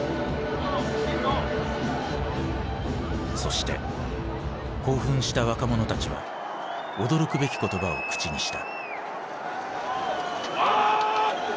そして興奮した若者たちは驚くべき言葉を口にした。